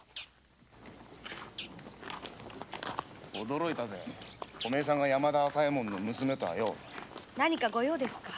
驚いたぜオメエさんが山田朝右衛門の娘とはよ。何かご用ですか？